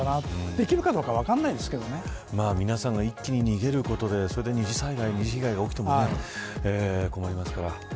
できるかどうか皆さんが一気に逃げることで二次災害、二次被害が起きても困りますから。